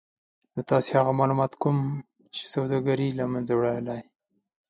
نو تاسې هغه مالومات کوم چې سوداګري له منځه وړلای